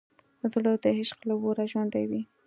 زړه د عشق له اوره ژوندی وي.